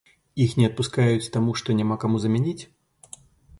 Іх не адпускаюць, таму што няма каму замяніць?